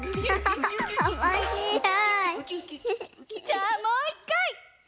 じゃあもう１かい！